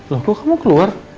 loh kok kamu keluar